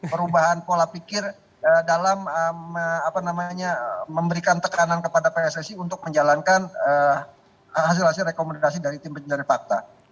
perubahan pola pikir dalam memberikan tekanan kepada pssi untuk menjalankan hasil hasil rekomendasi dari tim pencari fakta